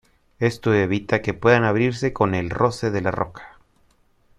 Esto evita que puedan abrirse con el roce de la roca.